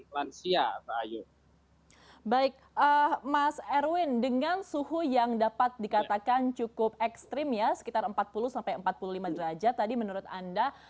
baik mas erwin dengan suhu yang dapat dikatakan cukup ekstrim ya sekitar empat puluh sampai empat puluh lima derajat tadi menurut anda